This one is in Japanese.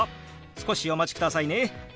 少しお待ちくださいね。